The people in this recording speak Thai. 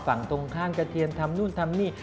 ฝั่งตรงข้ามกระเทียมทำนู่นทำนี่